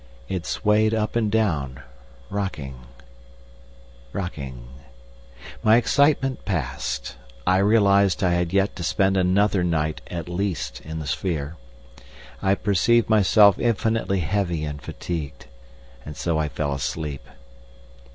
It swayed up and down, rocking, rocking. My excitement passed. I realised I had yet to spend another night at least in the sphere. I perceived myself infinitely heavy and fatigued. And so I fell asleep.